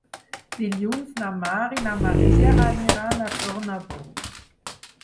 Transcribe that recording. Dilluns na Mar i na Maria aniran a Tornabous.